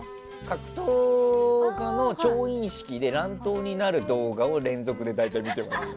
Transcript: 格闘家の調印式で乱闘になる動画を連続で大体、見てますね。